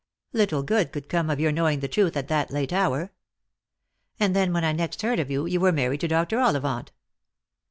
Little good could come of your knowing the truth at that late hour. And then when I next heard of you, you were married to Dr. Ollivant."